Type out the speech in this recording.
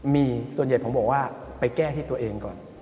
มีส่วนใหญ่ผมบอกว่าไปแก้ที่ตัวเองก่อน